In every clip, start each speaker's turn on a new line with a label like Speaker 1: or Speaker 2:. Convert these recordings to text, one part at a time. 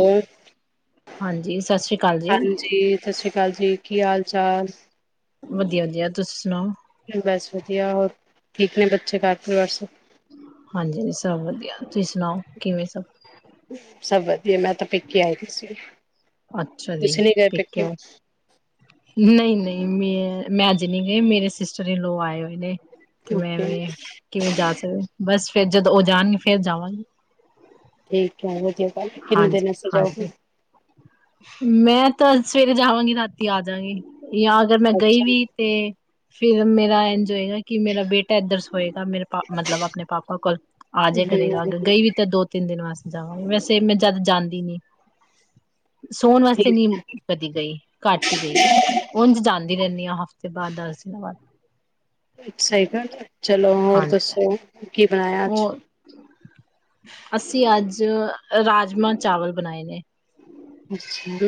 Speaker 1: ਹੋਰ
Speaker 2: ਹਾਂਜੀ, ਸਤਿ ਸ਼੍ਰੀ ਅਕਾਲ ਜੀ
Speaker 1: ਹਾਂਜੀ, ਸਤਿ ਸ੍ਰੀ ਅਕਾਲ ਜੀ। ਕੀ ਹਾਲ ਚਾਲ।
Speaker 2: ਵਧੀਆ ਜੀ, ਤੁਸੀਂ ਸੁਣਾਓ।
Speaker 1: ਬਸ ਵਧੀਆ। ਹੋਰ ਠੀਕ ਨੇ ਬੱਚੇ, ਘਰ ਪਰਿਵਾਰ ਸਭ?
Speaker 2: ਹਾਂਜੀ ਸਭ ਵਧੀਆ ਤੁਸੀਂ ਸੁਣਾਓ ਕਿਵੇਂ ਸਭ
Speaker 1: ਸਭ ਵਧੀਆ। ਜੀ ਮੈਂ ਤਾਂ ਪੇਕੇ ਆਈ ਦੀ ਸੀ।
Speaker 2: ਅੱਛਾ ਜੀ
Speaker 1: ਤੁਸੀਂ ਨਹੀਂ ਗਏ
Speaker 2: ਠੀਕ ਹੈ
Speaker 1: ਪੇਕੇ।
Speaker 2: ਨਹੀਂ -ਨਹੀਂ ਮੈਂ ਮੈਂ ਅੱਜ ਨਹੀਂ ਗਈ ਮੇਰੇ ਸਿਸਟਰ- ਇਨ -ਲਾੱ ਆਏ ਹੋਏ ਨੇ। ਤੇ ਮੈਂ
Speaker 1: ਓਕੇ
Speaker 2: ਵੀ ਕਿਵੇਂ ਜਾ ਸਕਦੇ, ਬਸ ਫਿਰ ਜਦੋਂ ਉਹ ਜਾਣਗੇ, ਫੇਰ ਜਾਵਾਂਗੀ।
Speaker 1: ਠੀਕ ਕਹ ਰਹੇ ਹੋ। ਕਿੰਨੇ ਦਿਨ ਵਾਸਤੇ ਜਾਓਗੇ।
Speaker 2: ਹਾਂਜੀ ਮੈਂ ਤਾਂ ਸਵੇਰੇ ਜਾਵਾਂਗੀ ਰਾਤੀ ਆ ਜਾਂਗੀ। ਯਾਂ ਅਗਰ ਮੈਂ ਗਈ
Speaker 1: ਅੱਛਾ
Speaker 2: ਵੀ ਤੇ ਫਿਰ ਮੇਰਾ ਕਿ ਮੇਰਾ ਬੇਟਾ ਇੱਧਰ ਸੋਏਗਾ ਮੇਰੇ ਪਾਪ ਆਪਣੇ ਪਾਪਾ ਕੋਲ ਆਜੇ
Speaker 1: ਹੂੰ
Speaker 2: ਕਰੇਗਾ ਅੱਗੇ ਗਈ ਵੀ ਤਾਂ ਦੋ ਤਿੰਨ ਦਿਨ ਵਾਸਤੇ। ਜਾਵਾਂ ਵੈਸੇ ਮੈਂ ਜਾਦਾ ਜਾਂਦੀ ਨੀ। ਸੋਣ ਵਾਸਤੇ ਨੀ
Speaker 1: ਠੀਕ
Speaker 2: ਮ ਕਦੀ ਗਈ ਘੱਟ ਹੀ ਗਈ ਉੰਝ ਜਾਂਦੀ ਰਹਿੰਦੀ ਹਾਂ। ਦੀ ਆ ਹਫ਼ਤੇ ਬਾਦ, ਦਸ ਦਿਨ ਬਾਦ।
Speaker 1: ਸਈ ਗੱਲ ਐ, ਚਲੋ ਹੋਰ
Speaker 2: ਹਾਂਜੀ,
Speaker 1: ਦੱਸੋ? ਕੀ ਬਨਾਇਆ ਅੱਜ?
Speaker 2: ਉਹ ਅਸੀਂ ਅੱਜ ਰਾਜਮਾਂ-ਚਾਵਲ ਬਨਾਏ ਨੇ।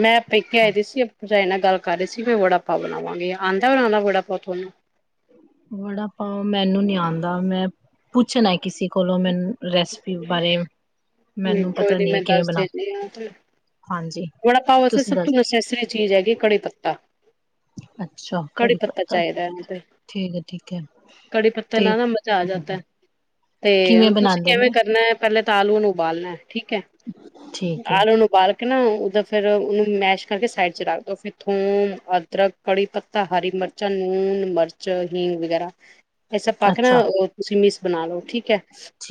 Speaker 1: ਮੈਂ ਪੇਕੇ
Speaker 2: ਹਾਂ
Speaker 1: ਆਈ ਦੀ ਸੀ ਅ ਪਰਜਾਈ ਨਾਲ ਗੱਲ ਕਰ ਰਈ ਸੀ ਕੇ ਵੜਾ-ਪਾਓ ਬਨਾਵਾਂਗੇ, ਆਂਦਾ ਬਨਾਨਾ ਵੜਾ-ਪਾਓ ਤੁਆਨੂੰ।
Speaker 2: ਵੜਾ-ਪਾਓ, ਮੈਨੂੰ ਨੀ ਆਂਦਾ, ਮੈਂ ਪੁੱਛਣਾ ਕਿਸੀ ਕੋਲੋਂ ਮੈਨੂੰ ਰੈਸਪੀ ਬਾਰੇ,
Speaker 1: ਹੂੰ,
Speaker 2: ਮੈਨੂੰ
Speaker 1: ਕੋਈ
Speaker 2: ਪਤਾ
Speaker 1: ਨੀ ਮੈਂ
Speaker 2: ਨਈ ਕਿਵੇਂ ਬਨਾ, ਹਾਂਜੀ।
Speaker 1: ਵੜਾ-ਪਾਓ ਵੈਸੇ
Speaker 2: ਤੁਸੀਂ
Speaker 1: ਸਭ ਤੋਂ
Speaker 2: ਦੱਸ
Speaker 1: ਨਸੈਸਰੀ ਚੀਜ਼ ਹੈਗੀ ਕੜੀ ਪੱਤਾ। ਕੜੀ ਪੱਤਾ ਚਾਈਦਾ ਐਵੇ ਤੇ,
Speaker 2: ਠੀਕ ਹੈ ਠੀਕ ਹੈ
Speaker 1: ਕੜੀ ਪੱਤਾ
Speaker 2: ਤੇ
Speaker 1: ਨਾਲ ਮਝਾ ਆ ਜਾਂਦਾ
Speaker 2: ਕਿਵੇਂ
Speaker 1: ਤੇ ਤੁਸੀਂ
Speaker 2: ਬਣਾਉਂਦੇ
Speaker 1: ਕਿਵੇ
Speaker 2: ਨੇ
Speaker 1: ਕਰਨਾ ਪੈਲੇ ਤਾਲੂਆ ਨੂੰ ਉਬਾਲਨਾ ਏ ਠੀਕ ਐ।
Speaker 2: ਠੀਕ ਹੈ
Speaker 1: ਆਲੂਆ ਨੂੰ ਉਬਾਲ ਕੇ ਨਾ ਫੇਰ ਉਨੂੰ ਮੈਸ਼ ਕਰਕੇ ਸਾਈਡ ਚ ਰੱਖਦੋ, ਫੇਰ ਥੋਮ, ਅਦਰਕ ਕੜੀ-ਪੱਤਾ, ਹਰੀ-ਮਰਚਾਂ, ਨੂੰਨ, ਮਰਚ, ਹਿੰਗ ਵਗੈਰਾ ਏ ਸਬ ਪਾ ਕੇ ਨਾ,
Speaker 2: ਅੱਛਾ
Speaker 1: ਓ ਤੁਸੀਂ ਮਿਸ ਬਨਾ ਲਓ ਠੀਕ ਐ,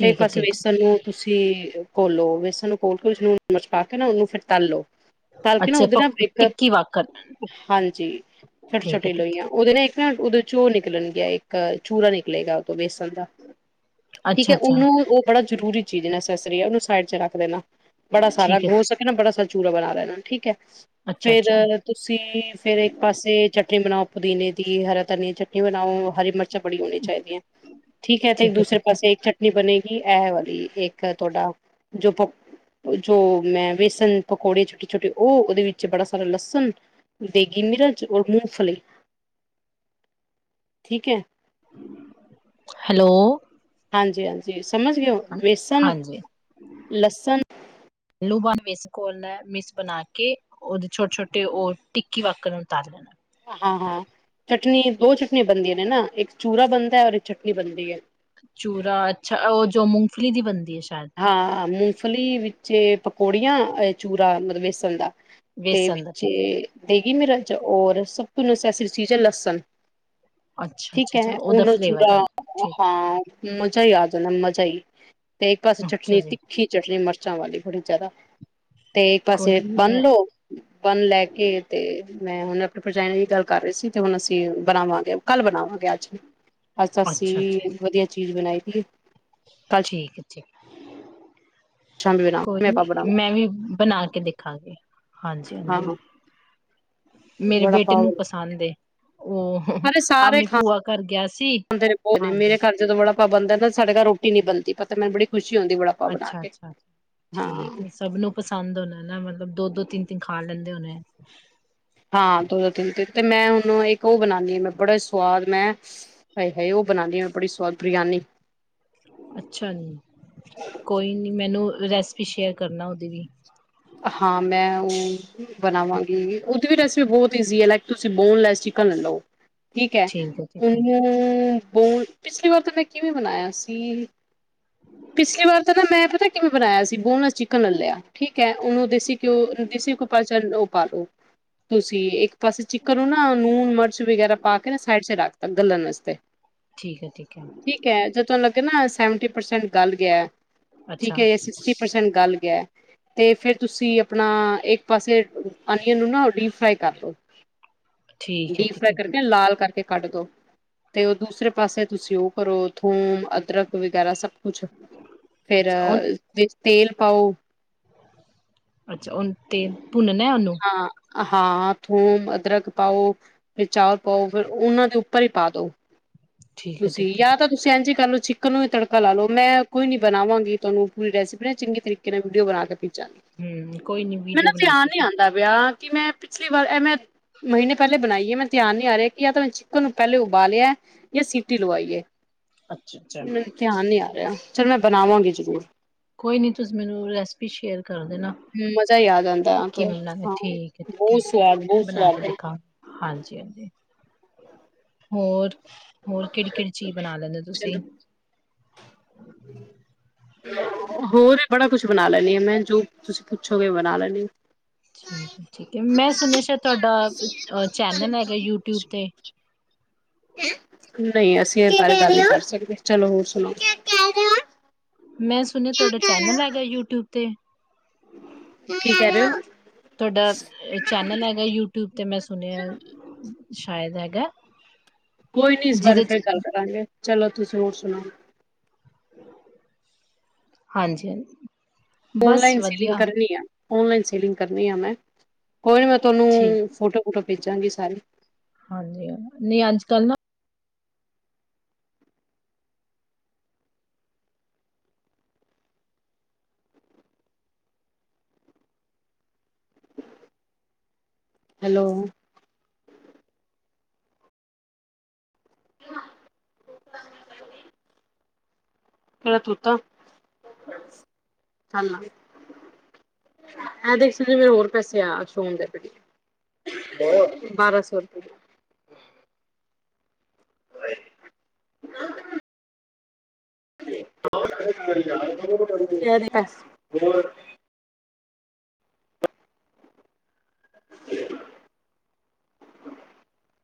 Speaker 1: ਫੇਰ
Speaker 2: ਹੈ
Speaker 1: ਪਾਸੇ
Speaker 2: ਠੀਕ ਹੈ
Speaker 1: ਵੇਸਨ ਨੂੰ ਤੁਸੀਂ ਘੋਲੋ ਵੇਸਨ ਨੂੰ ਕੇ ਨਾ ਲੂਣ ਮਿਰਚ ਪਾ ਕੇ ਫਿਰ ਤਲੋ ਪਾਲਕ ਨਾ
Speaker 2: ਅੱਛਾ
Speaker 1: ਉਹਦੇ
Speaker 2: ਪ
Speaker 1: ਨਾਲ ਇੱਕ
Speaker 2: ਟਿੱਕੀ ਵਾਕਣ
Speaker 1: ਹਾਂਜੀ ਛੋਟੇ
Speaker 2: ਠੀਕ ਹੈ
Speaker 1: ਛੋਟੇ
Speaker 2: ਠੀਕ
Speaker 1: ਲੋਹੀਆਂ ਉਹਦੇ ਨਾਲ ਇੱਕ ਉਦੋਂ ਚੋ ਨਿਕਲਣ ਗਿਆ ਇੱਕ ਚੂਰਾ ਨਿਕਲੇਗਾ ਬੇਸ। ਠੀਕ
Speaker 2: ਅੱਛਾ
Speaker 1: ਹੈ
Speaker 2: ਅੱਛਾ
Speaker 1: ਉਹਨੂੰ ਉਹ ਬੜਾ ਜ਼ਰੂਰੀ ਚੀਜ਼ ਨਰੀ ਹੈ। ਉਹਨੂੰ ਸਾਈਡ ਵਿੱਚ ਰੱਖ ਦੇਣਾ। ਬੜਾ ਸਾਰਾ
Speaker 2: ਠੀਕ ਹੈ
Speaker 1: ਹੋਸਕੇ ਨਾ ਬੜਾ [inaudible]
Speaker 2: ਅੱਛਾ
Speaker 1: ਫੇਰ
Speaker 2: ਅੱਛਾ
Speaker 1: ਤੁਸੀਂ ਫੇਿਰ ਇੱਕ ਪਾਸੇ ਚਟਨੀ ਬਣਾਓ। ਪੁਦੀਨੇ ਦੀ ਹਰਾ ਧਨੀ ਦੀ ਚਟਨੀ ਬਣਾਓ ਹਰੀ ਮਰਚ ਪਾਓ। ਚਟਣੀ ਹੋਣੀ ਚਾਹੀਦੀ ਹੈ। ਠੀਕ ਹੈ ਤੇ ਇੱਕ ਦੂਸਰੇ ਪਾਸੇ ਇੱਕ ਚਟਨੀ ਬਣੇਗੀ। ਇਹ ਵਾਰੀ ਇੱਕ ਤੁਹਾਡਾ ਜੋ ਜੋ ਮੈਂ ਵੇਸਨ ਪਕੋੜੀਆਂ ਛੋਟੀ ਛੋਟੀ ਉਹ ਉਹਦੇ ਵਿੱਚ ਬੜਾ ਸਾਰੇ ਲਸ
Speaker 2: ਹੈਲੋ
Speaker 1: ਹਾਂਜੀ ਹਾਂਜੀ ਵਿਸਨ
Speaker 2: ਹਾਂਜੀ
Speaker 1: ਲਸਣ [inaudible]
Speaker 2: ਕੋਲ ਨੇ ਮਿਸ ਬਣਾ ਕੇ ਉਹਦੇ ਛੋਟੇ ਛੋਟੇ ਉਹ ਟਿੱਕੀ ਵਾਕਰ ਨੂੰ ਉਤਾਰ ਲੈਣਾ
Speaker 1: ਹਾਂ ਹਾਂ ਚਟਨੀ ਦੋ ਚਟਨੀੀਆਂ ਬਣਦੀਆਂ ਨੇ ਨਾ ਇੱਕ ਚੂਰਾ ਬਣਦਾ ਹੈ ਔ ਇੱਕ ਚਟਨੀ ਬਣਦੀ ਹੈ
Speaker 2: ਚੂਰਾ ਅੱਛਾ ਉਹ ਜੋ ਮੂੰਗਫਲੀ ਦੀ ਬਣਦੀ ਹੈ ਸ਼ਾਇਦ
Speaker 1: ਹਾਂ ਮ ਮੂੰਗਫਲੀ ਵਿੱਚ ਪਕੌੜੀਆਂ ਚੂਰਾ ਮਤਲਬ ਵੇਸਣ ਦਾ [inaudible]
Speaker 2: ਵੇਸਣ ਦਾ ਠੀਕ ਹੈ
Speaker 1: ਸਭ ਤੋਂ ਨਸੈਸਰੀ ਚੀਜ਼ ਹੈ ਲਸਣ
Speaker 2: ਅੱਛਾ
Speaker 1: ਠੀਕ
Speaker 2: ਅੱਛਾ ਅੱਛਾ
Speaker 1: ਹੈ
Speaker 2: ਉਹਦਾ
Speaker 1: ਉਹਨ
Speaker 2: ਫਲੇਵਰ
Speaker 1: ਜੜ
Speaker 2: ਆ ਠੀਕ
Speaker 1: ਹਾਂ ਮਜ਼ਾ ਹੀ ਆਦ ਨਾ ਮਜ਼ਾ ਹੀ ਤੇ ਇੱਕ ਪਾਸੇ
Speaker 2: ਅੱਛਾ
Speaker 1: ਚਟਨੀ
Speaker 2: ਜੀ
Speaker 1: ਤਿੱਖੀ ਚਟਨੀ ਮਿਰਚਾਂ ਵਾਲੀ ਬੜੀ ਜਿਆਦਾ ਤੇ ਇੱਕ
Speaker 2: ਕੋਈ
Speaker 1: ਪਾਸੇ
Speaker 2: ਨੀ
Speaker 1: ਬੰਨ
Speaker 2: ਮੈਂ
Speaker 1: ਲੋ ਬੰਨ ਲੈ ਕੇ ਤੇ ਮੈਂ ਹੁਣ ਆਪਣੇ ਭਜਾਈ ਨੇ ਇਹ ਗੱਲ ਕਰ ਰਹੀ ਸੀ ਤੇ ਹੁਣ ਅਸੀਂ ਬਣਾਵਾਂਗੇ ਕੱਲ੍ਹ ਬਣਾਵਾਂਗੇ ਅੱਜ ਅੱਜ
Speaker 2: ਅੱਛਾ ਅੱਛਾ
Speaker 1: ਅਸੀਂਵੀ ਵਧੀਆ ਚੀਜ਼ ਬਣਾਈ ਜੀ
Speaker 2: ਠੀਕ ਹੈ ਠੀਕ
Speaker 1: ਸ਼ਾਮੀ
Speaker 2: ਕੋਈ
Speaker 1: ਬਣਾਵਾਂਗੇ ਆਪਾਂ
Speaker 2: ਨ
Speaker 1: ਬਣਾਵਾਂਗੇ
Speaker 2: ਮੈਂ ਵੀ ਬਣਾ ਕੇ ਦੇਖਾਂਗੇ ਹਾਂਜੀ
Speaker 1: ਹਾਂ
Speaker 2: ਹਾਂਜੀ
Speaker 1: ਹਾਂ
Speaker 2: ਮੇਰੇ
Speaker 1: ਵੜਾ
Speaker 2: ਬੇਟੇ
Speaker 1: ਪਾਓ
Speaker 2: ਨੂੰ ਪਸੰਦ ਉਹ ਆਪਣੀ ਭੂਆ ਘਰ ਗਿਆ ਸੀ
Speaker 1: ਰੇ ਬਹੁ ਨੇ
Speaker 2: ਹਾਂਜੀ
Speaker 1: ਮੇਰੇ ਖਰਚੇ ਬੜਾ ਬਣਦਾ ਨਾ ਸਾਡੇ ਘਰ ਰੋਟੀ ਨੀ ਬਣ ਪਤਾ ਮੈਂ ਬੜੀ ਖੁਸ਼ੀ ਹੁੰਦੀ ਵੜਾ ਪਾਓ ਬਣਾ
Speaker 2: ਅੱਛਾ
Speaker 1: ਕੇ
Speaker 2: ਅੱਛਾ
Speaker 1: ਹਾਂ
Speaker 2: ਠੀਕ ਹੈ ਸਭ ਨੂੰ ਪਸੰਦ ਹੋਣਾ ਮਤਲਬ ਦੋ ਦੋ ਤਿੰਨ ਤਿੰਨ ਖਾਲ ਲੈਂਦੇ ਹੋਣੇ
Speaker 1: ਹਾਂ ਦੋ ਦੋ ਤਿੰਨ ਤਨ ਤੇ ਮੈਂ ਹੁਣੂੰ ਇੱਕ ਉਹ ਬਣਾਉਦੀ ਆ ਮੈਂ ਬੜੇ ਸਵਾਦ ਮੈਂ ਹਾਏ ਹਾਏ ਉਹ ਬਣਾਉਦੀ ਆ ਮੈਂ ਬੜੀ ਸਵਾਦ ਬਰਿਆਨੀ
Speaker 2: ਅੱਛਾ ਨੀ, ਕੋਈ ਨੀ ਮੈਨੂੰ ਰੈਸਪੀ ਸ਼ੇਅਰ ਕਰਨਾ ਉਹਦੀ ਵੀ
Speaker 1: ਹਾਂ, ਮੈਂ ਉ ਬਨਾਵਾਗੀ, ਓਦੀ ਵੀ ਰੈਸਪੀ ਬਹੁਤ ਈਜੀ ਐ, ਲਾਈਕ ਤੁਸੀ ਬੋਨਲੈਸ ਚਿਕਨ ਲਲੋ। ਠੀਕ ਐ,
Speaker 2: ਹੈ ਠੀਕ ਹੈ
Speaker 1: ਓਨੂੰ ਬੋ, ਪਿਛਲੀ ਵਾਰ ਤਾਂ ਮੈਂ ਕਿਵੇਂ ਬਨਾਇਆ ਸੀ। ਪਿਛਲੀ ਵਾਰ ਤਾਂ ਨਾ, ਮੈਂ ਪਤਾ ਕਿਵੇ ਬਨਾਇਆ ਸੀ ਬੋਨਲੈਸ ਚਿਕਨ ਲ ਲਿਆ ਠੀਕ ਐ, ਓਨੂੰ ਦੇਸੀ ਘਿਓ, ਦੇਸੀ ਕੁ ਪਾਚ ਪਾ ਲੋ, ਤੁਸੀਂ ਇੱਕ ਪਾਸੇ ਚਿੱਕਨ ਨੂੰ ਨਾ ਨੂਨ, ਮਰਚ ਵਗੈਰਾ ਪਾ ਕੇ ਨਾ ਸਾਈਡ ਚ ਰਖ ਗੱਲਨ ਅਸਤੇ
Speaker 2: ਠੀਕ ਐ, ਠੀਕ ਐ।
Speaker 1: ਤੁਹਾਨੂੰ ਲੱਗੇ ਨਾ ਸੈਵਟੀ ਪਰਸੈਂਟ ਗੱਲ ਗੇਆ ਠੀਕ
Speaker 2: ਅੱਛਾ
Speaker 1: ਏ, ਸਿਸਟੀ ਪਰਸੈਂਟ ਗੱਲ ਤੇ, ਫੇਰ ਤੁਸੀ ਅਪਣਾ ਏਕ ਪਾਸੇ ਅਨੀਅਨ ਨੂੰ ਨਾ ਡੀ ਫਰਾਈ ਕਰ ਲੋ।
Speaker 2: ਠੀਕ ਹੈ
Speaker 1: ਡੀਪ
Speaker 2: ਠੀਕ
Speaker 1: ਫਰਾਈ
Speaker 2: ਹੈ ਜੀ
Speaker 1: ਕਰਕੇ, ਲਾਲ ਕਰਕੇ ਕੱਢ ਦੋ, ਤੇ ਓ ਦੂਸਰੇ ਪਾਸੇ ਤੁਸੀ ਓ ਕਰੋ ਥੋਮ, ਅਦਰਕ ਵਗੈਰਾ ਸਬ ਕੁਛ, ਫੇਰ
Speaker 2: ਅੱਛਾ ਉਹ
Speaker 1: ਤੇਲ ਪਾਓ
Speaker 2: ਅੱਛਾ, ਉਨ ਤੇਲ ਪੁੁਨਨੈ ਓਨੂੰ।
Speaker 1: ਹਾ, ਥੋ, ਅਦਰਕ ਪਾਓ, ਫੇ ਚਾਲ ਪਾਓ, ਫੇਰ ਓਨਾਂ ਦੇ ਉੱਪਰ ਈ ਪਾ ਦੋ।
Speaker 2: ਠੀਕ ਹੈ
Speaker 1: ਤੁਸੀ,
Speaker 2: ਠੀਕ ਹੈ
Speaker 1: ਯਾ ਤਾ ਤੁਸੀ ਇੱਜ ਕਰਲੋ, ਚਿਕਨ ਨੂੰ ਈ ਤੜਕਾ ਲਾ ਲੋ। ਮੈਂ ਕੋਈ ਨੀ ਬਨਾਵਾਂਗੀ ਤੁਆਨੂੰ ਰੈਸਪੀ ਨ ਚੰਗੀ ਤਰੀਕੇ ਨਾਲ ਵੀਡੀਓ ਬਣਾ ਕੇ ਪੀ
Speaker 2: ਹੂੰ, ਕੋਈ ਨੀ ਵੀਡੀਓ ਬਨਾ ਕੇ
Speaker 1: ਦਾ ਵਿਯਾ ਕਿ ਮੈਂ ਪਿਛਲੀ ਵਾਰ ਐਵੇ ਮਹੀਨੇ ਪੈਲੇ ਬਨਾਈ ਏ ਮੈ ਧਿਆਨ ਨੀ ਆ ਰਿਆ ਕਿ ਯ ਤਾਂ ਚਿਕਨ ਨੂੰ ਪੈਲੇ ਉਬਾਲਿਆ ਯਾ ਸੀਟੀ ਲਵਾਈ ਏ।
Speaker 2: ਅੱਛਾ ਅੱਛਾ
Speaker 1: ਮੈਨੂੰ ਧਿਆਨ ਨੀ ਆ ਰਿਆ। ਚਲ ਮੈਂ ਬਨਾਵਾਂਗੀ ਜਰੂਰ।
Speaker 2: ਕੋਈ ਨੀ, ਤੁਸੀਂ ਮੈਨੂੰ ਰੈਸਪੀ ਸ਼ੇਅਰ ਕਰ ਦੇਣਾ
Speaker 1: ਹਮ ਮਜ਼ਾ ਹੀ ਆ ਜਾਨ
Speaker 2: ਕਿਵੇਂ ਬਨਾਦੇ? ਠੀਕ ਹੈ, ਠੀਕ ਹੈ
Speaker 1: ਸਵਾਦ ਬਹੁਤ
Speaker 2: ਬਣਾ ਕੇ
Speaker 1: ਸਵਾਦ
Speaker 2: ਦੇਖਾਂ। ਹਾਂਜੀ- ਹਾਂਜੀ। ਹੋਰ ਹੋਰ ਕਿਹੜੀ- ਕਿਹੜੀ ਚੀਜ਼ ਬਣਾ ਲੈਂਦੇ ੳ
Speaker 1: ਚਲੋ
Speaker 2: ਤੁਸੀਂ।
Speaker 1: ਹੋਰ ਬੜਾ ਕੁਛ ਬਣਾ ਲੈਣੀ ਆ ਮੈਂ, ਜੋ ਤੁਸੀਂ ਪੁੱਛੋਗੇ ਬਣਾ ਲੈਣੀ ਆ।
Speaker 2: ਠੀਕ ਠੀਕ ਹੈ ਮੈਂ ਸੁਣਿਆ ਸ਼ ਤੁਹਾਡਾ ਚੈਨਲ ਹੈਗਾ ਯੂਟਿਊਬ ਤੇ।
Speaker 1: ਨਹੀਂ ਅਸੀਂ ਇਸ ਬਾਰੇ ਗੱਲ ਨੀ ਕਰ ਸਕਦੇ, ਚਲੋ ਹੋਰ ਸੁਣਾਓ।
Speaker 2: ਮੈਂ ਸੁਣਿਆ ਤੁਹਾਡਾ ਚੈਨਲ ਹੈਗਾ ਯੂਟਿਊਬ ਤੇ।
Speaker 1: ਕੀ ਕਹਿ ਰਹੇ ਹੋ
Speaker 2: ਤੁਹਾਡਾ ਚੈਨਲ ਹੈਗਾ ਯੂਟਿਊਬ ਤੇ ਮੈਂ ਸੁਣਿਆ। ਸ਼ਾਇਦ ਹੈਗਾ।
Speaker 1: ਕੋਈ ਨੀ ਇਸ ਬਾਰੇ
Speaker 2: ਜਿਹਦੇ ਚ
Speaker 1: ਫੇਰ ਗੱਲ ਕਰਾਂਗੇ। ਚਲੋ ਤੁਸੀਂ ਹੋਰ ਸੁਣਾਓ।
Speaker 2: ਹਾਂਜੀ- ਹਾਂਜੀ। ਬਸ
Speaker 1: ਓਨਲਾਈਨ ਸੀਲਿੰਗ
Speaker 2: ਵਧੀਆ
Speaker 1: ਕਰਨੀ ਆ। ਓਨਲਾਈਨ ਸੇਲਿੰਗ ਕਰਨੀ ਆ ਮੈਂ। ਕੋਈ ਨੀ ਮੈਂ
Speaker 2: ਠੀਕ।
Speaker 1: ਤੁਹਾਨੂੰ ਫੋਟੋ- ਫੂਟੋ ਭੇਜਾਂਗੀ ਸਾਰੀ।
Speaker 2: ਹਾਂਜੀ ਹੈਨਾ, ਨਹੀਂ ਅੱਜ ਕੱਲ੍ਹ ਨਾ
Speaker 1: ਹੈਲੋ। ਕਿੜਾ ਤੋਤਾ, ਇਹ ਲੈ। ਐ ਦੇਖ ਸਨੀ ਮੇਰੇ ਹੋਰ ਪੈਸੇ ਆ, ਸੋ਼ਹ ਹੁੰਦੇ ਪਏ, ਬਾਰਾਂ ਸੌ ਰੁਪਿਆ। ਹੋ [unintelligible] [unintelligible] ਹ [unintelligible] [unintelligible]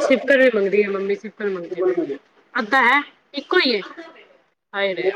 Speaker 1: ਸਿਵਕਰ ਵੀ ਮੰਗਦੀ ਹੈ ਮੰਮੀ ਸਿਕਰ ਮੰਗਦੀ, ਅੱਧਾ ਹੈ ਇੱਕੋ ਇਏ ਹਾਏ ਰੇ